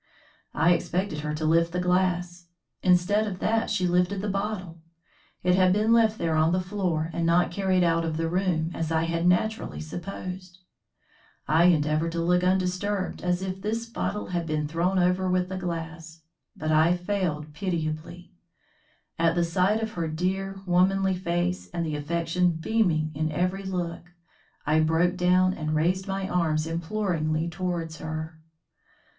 I expected her to lift the glass. Instead of that she lifted the bottle. It had been left there on the floor and not carried out of the room, as I had naturally supposed. I endeavoured to look undisturbed and as if this bottle had been thrown over with the glass, but I failed pitiably. At the sight of her dear, womanly face and the affection beaming in every look, I broke down and raised my arms imploringly towards her.